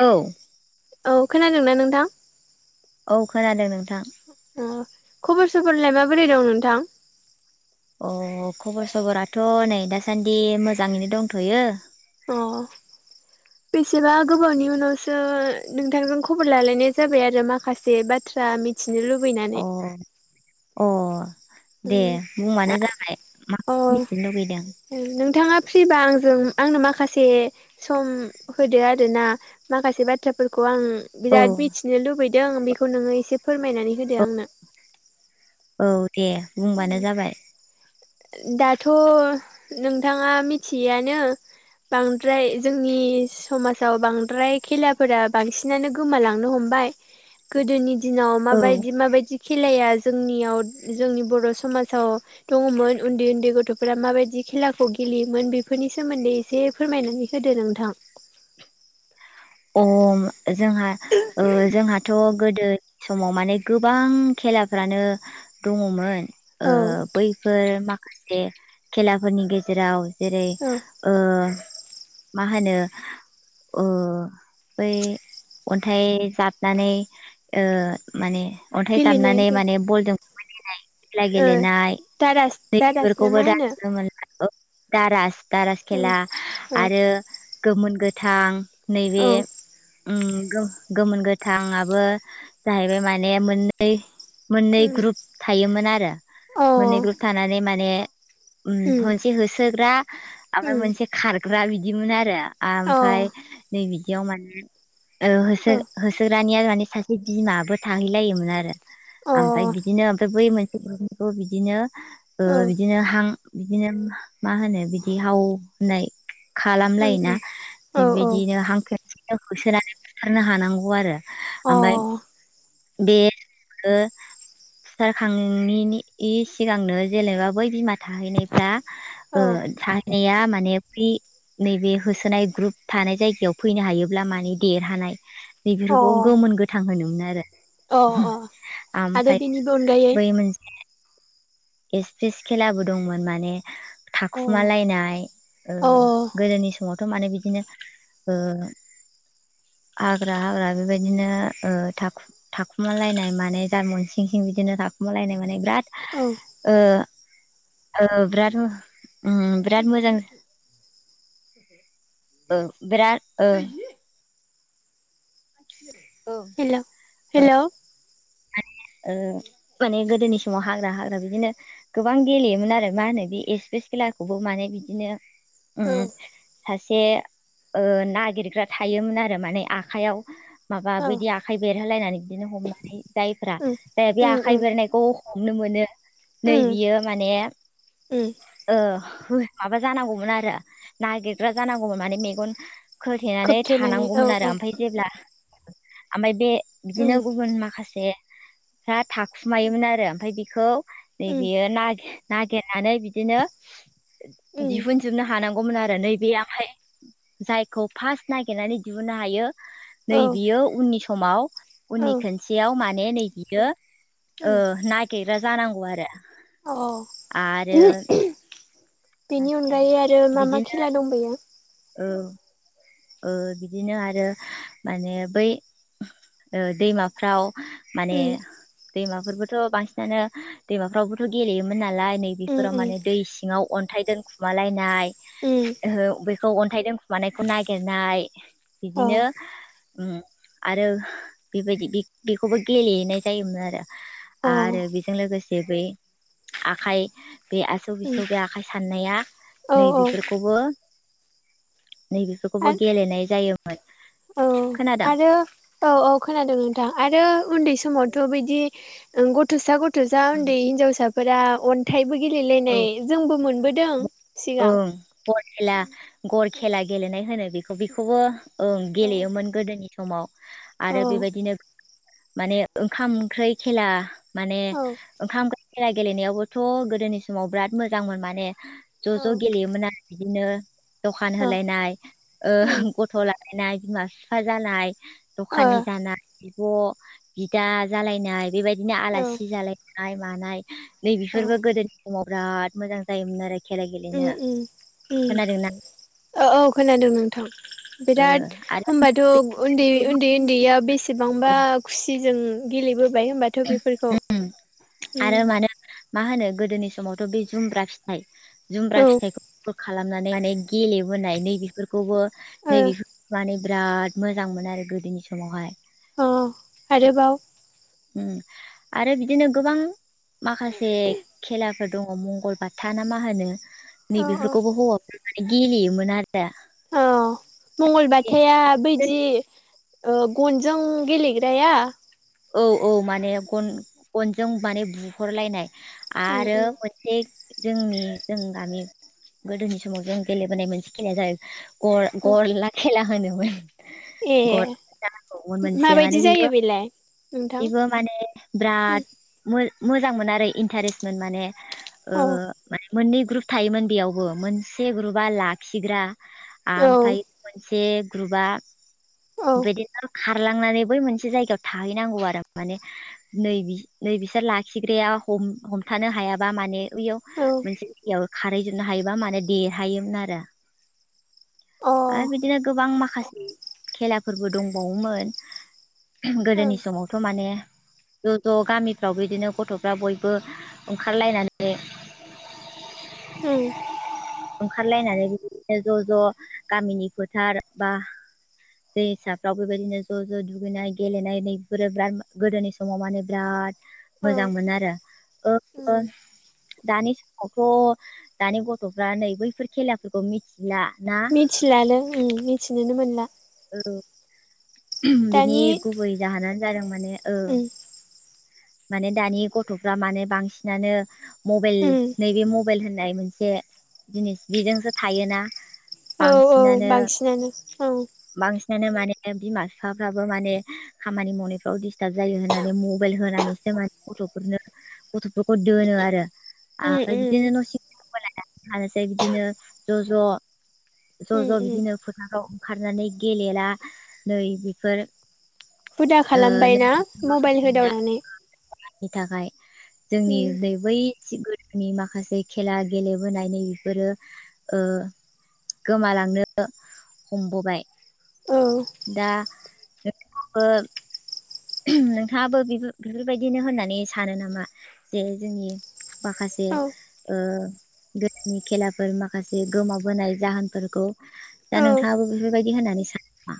औ औ खोनादोंना नोंथां। औ खोनादों नोंथां। अ खबर सबरलाय माबोरै दं नोंथां? अ खबर सबराथ' नै दासान्दि मोजाङैनो दंथ'यो। अ बेसेबा गोबावनि उनावसो नोंथांजों खबर लालायनाय जाबाय आरो माखासे बाथ्रा बाथ्रख मिथिनो अ लुबैनानै। अ दे उम बुंबानो जाबाय मा अ मिथिनो लुबैदों। नोंथाङा फ्रिबा आंजों आंनो माखासे सम होदो आरोना माखासे बाथ्राफोरखौ आं औ बिराद मिथिनो लुबैदों बेखौ नोङो एसे फोरमायनानै होदो औ आंनो औ दे उम बुंबानो जाबाय। दाथ' नोंथाङा मिथियोयानो बांद्राय जोंनि समाजाव बांद्राय खेलाफोरा बांसिनानो गोमालांनो हम बाय गोदोनि दिनाव औ माबायदि माबायदि खेलाया जोंनियाव जोंनि बर' समाजाव दङमोन उन्दै उन्दै गथ'फोरा माबायदि खेलाखौ गेलेयोमोन बेफोरनि सोमोन्दै एसे फोरमायनानै होदो नोंथां। अम जोंहा जोंहाथ' गोदो समाव माने गोबां खेलाफ्रानो दङमोन। औ बैफोर माखासे खेलाफोरनि गेजेराव जेरै औ ओ मा होनो ओ बै अन्थाइ जाबनानै ओ माने अन्थाइ गेलेनाय जाबनानै माने बलजों खेला ओ गेलेनाय दारास नै दारास ना मा बेफोरखौबो दा होनो नुनो मोनला दारास दारास औ खेला आरो औ गोमोन गोथां नैबे औ गोमोन गोथाङाबो जाहैबाय माने मोननै अ मोननै ग्रुप थायोमोन आरो मोननै ग्रुप थानानै माने उम मोनसे होसोग्रा आमफ्राय मोनसे खारग्रा बिदिमोन आरो अ ओमफ्राय नै बिदियाव माने ओ अ होसो औ होसोग्रानिया माने सासे बिमाबो थाहैलायोमोन आरो अ औ ओमफ्राय बिदिनो ओमफ्राय बै मोनसे खौ बिदिनो ओ औ बिदिनो हां बिदिनो मा होनो बिदि हाव होननाय अ खालामलायोना औ बेबायदिनो हां खेबसेनो होसोनानै बुथारनो हानांगौ आरो ओमफ्राय बे ओ सिथारखांनायनि सिगांनो जेनेबा बै बिमा थाहैनायफ्रा ओ थाहै- नाया माने फ्रि नैबे होसोनाय ग्रुप थानाय जायगायाव फैनो हायोब्ला माने देरहानाय अ बेफोरखौ गोमोन गोथां होनोमोन आरो अ अ आरो ओमफ्राय बेनिबो अनगायै बै मोनसे एस पिस खेलाबो दंमोन माने अ थाखुमालायनाय ओ अ गोदोनि समावथ' माने बिदिनो ओ [inaudible] हाग्रा हाग्रा बेबायदिनो ओ थाखु थाखुमालायनाय माने जारमन सिं सिं बिदिनो थाखु- मालायनाय माने बिराद औ ओ औ बिराद उम बिराद मोजां औ बिराद ओ ओ हेल हेलौ ओ माने गोदोनि समाव हाग्रा हाग्रा बिदिनो गोबां गेलेयोमोन आरो मा होनो बे एस पिस खेलाखौबो माने बिदिनो उम सासे ओ नागिरग्रा थायोमोन आरो माने आखाइयाव माबा औ बिदि आखाइ बेरहोलायनानै बिदिनो हमनानै जायफ्रा उम जाय बे उम आखाइ उम बेरनायखौ हमनो मोनो उम नैबेयो माने उम ओ माबा जानांगौमोन आरो नागिरग्रा जानांगौमोन माने मेगन खोथेनानै खोबथेनानै औ थानांगौमोन आरो औ ओमफाय जेब्ला ओमफाय बे उम बिदिनो गुबुन माखासे फ्रा थाखुमायोमोन आरो ओमफाय बेखौ उम नैबेयो नागिर नागिरनानै बिदिनो उम दिहुनजोबनो हानांगौ- मोन आरो नैबे आखाय जायखौ फार्स्ट नागिरनानै दिहुननो हायो नै औ बियो उननि समाव उननि औ खनसेयाव माने नै बियो ओ उम नागेरग्रा जानांगौ आरो आरो अ बेनि माने अनगायै आरो मा मा खेला दंबोयो औ ओ बिदिनो आरो माने बै ओ दैमाफ्राव माने उम दैमाफोरबोथ' बांसिनानो दैमाफ्रावबोथ' गेलेयोमोन ना- लाय नै उम बेफोराव उम माने दै सिङाव अन्थाइ दोनखुमालायनाय उम ओ बेखौ खौ अन्थाइ दोनखुमानायखौ नागिरनाय अ बिदिनो उम आरो बेबायदि बेखौबो गेलेनाय जायोमोन आरो अ आरो बेजों लोगोसे बै आखाय बे आसौ उम बिसौ बे आखाइ साननाया औ नै औ आरो बेफोरखौबो नै खौबो गेलेनाय जायो। औ खोनादों आरो औ औ खोनादों नोंथां आरो उन्दै स समावथ' बिदि ओ गथ'सा गथ'सा ओन्दै हिनजावसाफोरा अनथाइ बो गेलेलायनाय औ जोंबो मोनबोदों। सिगां ओं गर खेला गर खेला गेलेनाय होनो बेखौ बेखौबो ओं औ गेलेयोमोन गोदोनि समाव औ आरो बेबायदिनो माने ओंखाम ओंख्रै खेला माने औ ओंखाम खेला गेलेनायावबोथ' गोदोनि समाव बिराद मोजांमोन माने ज' औ ज' गेलेयोमोन आरो बिदिनो दखान औ होलायनाय ओ उम गथ' लालायनाय बिमा बिफा जानाय ओ दखानि जानाय बिब' बिदा जालायनाय बेबायदिनो औ आलासि जालाय नाय मानाय औ नैबेफोरबो गोदोनि समाव बिराद मोजां जायोमोन आरोखि। उम उम औ औ खोनादों नोंथां। ओ बिराद आरो होमबाथ' बे ओन्दै ओन्दै गोबां ओन्दैयाव बेसेबांबा खुसिजों गेलेबोबाय होनोमबाथ' बेफोरखौ आरो मानो मा होनो गोदोनि समावथ' बे जुमब्रा फिथाइ जुमब्रा औ फिथाइखौ खालामनानै माने गेलेबोनाय नै बेेफोरखौबो ओ नै माने बिराद मोजां मोनो आरो गोदोनि समावहाय अ आरोबाव आरो बिदिनो गोबां माखासे खेलाफोर दङ' मंगलबाथा ना मा होनो औ औ नैबेफोरखौबो हौवाफोरा माने गेलेयोमोन आरो औ मंगलबथाया बैदि ओ गनजों गेलेग्राया औ औ माने गन गनजों माने बुहरलायनाय। उम आरो उम मोनसे जोंनि जों गामि गोदोनि समाव जों गेलेबोनाय मोनसे खेलाया जाहै गर गरला खेला होनोमोन। ए गर [inaudible] मोनसेया माबायदि माने जायो बेबो बेलाय नोंथां बेबो माने बिराद मोजांमोन आरो इन्टारेस्टमोन माने ओ औ माने मोननै ग्रुप थायोमोन बेयावबो मोनसे ग्रुपआ लाखिग्रा औ आमफ्रायो मोनसे ग्रुपआ औ बिदिनो खारलांनानै बै मोनसे जायगायाव थाहैनांगौ आरो माने नै बिस नै बिसोर लाखिग्राया हम-हमथानो हायाबा माने ओइयाव मोनसेयाव खारहैजोबनो हायोबा माने देरहायोमोन आरो। आरो औ बिदिनो गोबां माखासे खेलाफोरबो दंबावोमोन अ गोदोनि ओं समावथ' माने ज' ज' गामिफ्राव बिदिनो गथ'फ्रा बयबो ओंखारलायनानै उम ओंखारलायनानै बिदिनो ज' ज' गामिनि फोथार बा दैसाफ्राव बेबायदिनो ज' ज' दुगैनाय गेलेनाय नैफोरो बिराद गोदोनि समाव माने बिराद औ मोजांमोन आरो ओ उम दानि समावथ' दानि गथ'फ्रा नै बैफोर खेलाफोरखौ मिथि मिथिलानो उम मिथिनोनो मोनला औ बिनि दानि गुबै जाहोनानो जादों माने ओ उम माने दानि गथ'फ्रा माने बांसिनानो मबेइल उम नैबे मबे मबेइल होननाय मोनसे जिनिस बेजोंसो थायोना। औ औ बांसिनानो बांसिनानो औ बांसिनानो माने बिमा- बिफाफ्राबो माने खामानि मावनायफ्राव दिडिस्टार्ब जायो होननानै मबाइल होनानैसो माने गथ'फोरनो गथ'फोरखौ दोनो आरो उम आमफ्राय उम बिदिनो [unintelligible] थानोसै बिदिनो ज' ज' ज' उम ज' उम बिदिनो फोथाराव ओंखारनानै गेलेला नै बेफोर हुदा ओ खालामबाय ना मबाइल होदावनानै [unintelligible] नि थाखाय जोंनि उम नै बै सि गो नि माखासे खेला गेलेबोनाय नै बेफोरो ओ गोमालांनो हमबोबाय औ दा [unintelligible] नोंथाङाबो बेफोर बेफोरबायदिनो होननानै सानो नामा जे जोंनि माखासे औ ओ गोदोनि खेलाफोर माखासे गोमाबोनाय जाहोनफोरखौ दा औ नोंथाङाबो बेफोरबायदि दि होननानै सानो‌ नामा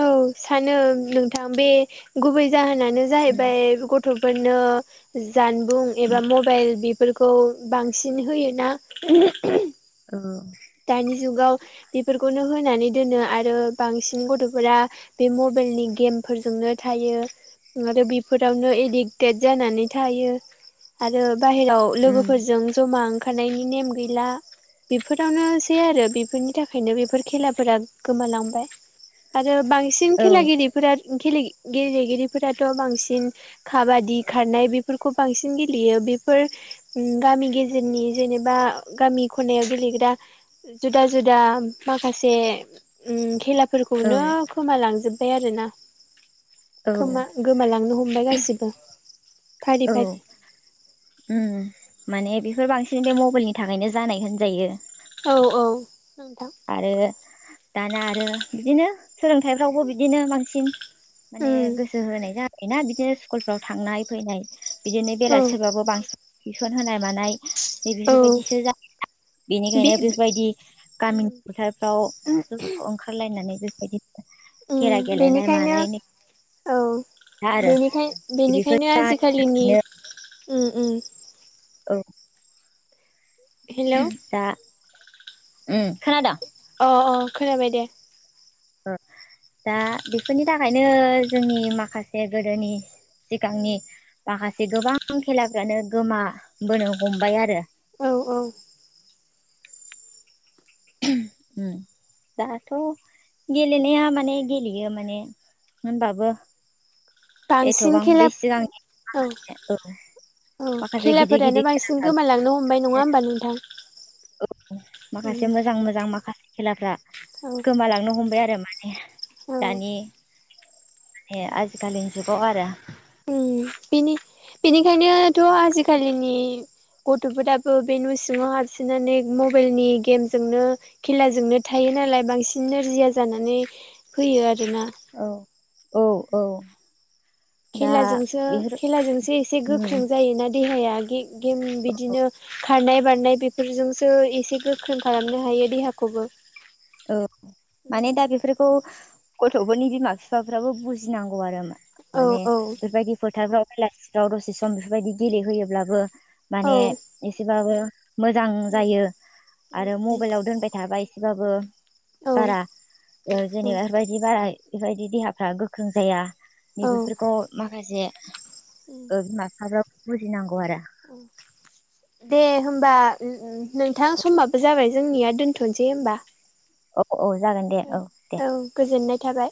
औ सानो नोंथां बे गुबै जाहोनानो उम जाहैबाय गथ'फोर दिनो जानबुं एबा मबाइल बेफोरखौ बांसिन होयोना औ दानि जुगाव बेफोरखौनो होनानै दोनो आरो बांसिन गथ'फोरा बे म बाइल नि गेमफोरजोंनो थायो आरो बेफोरावनो एडिक्टेड जानानै थायो आरो बाहेराव लोगोफोरजों ज'मा ओंखारनायनि नेम गैला बेफोर जावनो सै आरो बेफोरनि थाखायनो बेफोर खेलाफोरा गोमालांबाय आ रो बांसिन औ खेलागिरिफोरा गेले गेलेगिरिफोराथ' बांसिन खाबादि खारनाय बेफोरखौ बांसि सिन गेलेयो बेफोर गामि गेजेरनि जेनेबा गामि खनायाव गेलेग्रा जुदा जुदा माखासेे उम खेला औ फोरखौनो खोमालांजोब्बाय आरोना औ खोमा गोमालांनो हमबाय गासिबो फारि फारि उ माने बेफोर बांसिन बे मबाइलनि थाखायनो जानाय होनजायो औ औ नोंथां आरो दाना आरो बिदिनो सोलोंथाइफ्रावबो बिदिनो बांसिन माने उम गोसो होनाय जायो ना बिदिनो स्कुलफ्राव थांनाय फैनाय बिदिनो औ बेलासिबाबो बांसिन थिउसन होनाय मानाय औ बेफोरबायदिसो [unintelligible] बे बेनिखायनो बेफोरबायदि उम गामिनि फोथारफ्राव ओंखारलायनानै बेफोरबायदिथ खेला उम गेलेनाय बेनिखायनो मानायनि औ बेनिखाय बेफोरनो बेनिखायनो आजिखालिनि उम उम औ हेलौ दा उम खोनादों अ अ खोनाबाय दे र दा बेफोरनि थाखायनो जोंनि माखासे गोदोनि सिगांनि माखासे गोबां खेलाफ्रानो गोमाबोनो हमबाय आरो औ औ उम दाथ' गेलेनाया माने गेलेयो माने होनबाबो बांसिन एथ'बां खेला बे सिगांनि औ औ औ माखासे गिदिर खेलाफोरानो गिदिर बांसिन खेलाफ्रा गोमालांनो हमबाय। नङा होमबा नोंथां? औ उम माखासे मोजां मोजां माखासे खेलाफ्रा औ गोमालांनो हमबाय आरो माने। औ दानि माने आजिखालिनि जुगाव आरो। उम बिनि बिनिखायनोथ' आजिखालिनि गथ'फोराबो बे न' सिङाव हाबसोनानै मबाइलनि गेमजोंनो खेलाजोंनो थाय यो नालाय बांसिन नोरजिया जानानै फैयो आरोना। औ औ औ। दा खेलाजोंसो बेफोर खेलाजोंसो एसे गोख्रों उम जायोना देहाया गे-गेम बिदिनो खारनाय बारनाय बेफोरजोंसो एसे गोख्रों खालामनो हायो देहाखौबो। औ माने दा बेफोरखौ गथ'फोरनि बिमा बिफाफ्राबो बुजिनांगौ आरो औ मा-माने औ बेफोरबायदि फोथारफ्राव बेलासिफ्राव दसे सम बेफोरबायदि गेलेहोयोब्लाबो औ माने एसेबाबो मोजां जायो आरो मबाइलाव दोनबाय थाबा एसेबाबो बारा ओ जेनेबा बेफोरबायदि बारा बेफोरबायदि देहाफ्रा गोख्रों जाया। औ नैबेफोरखौ माखासे ओ बिफा बिफाफ्राबो बुजिनांगौ। आरो दे होमबा नोंथां समबाबो जाबाय जोंनिया दोनथ'नसै होमबा। औ औ जागोन दे दे औ गोजोननाय थाबाय।